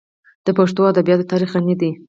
د پښتو ادبیاتو تاریخ غني دی.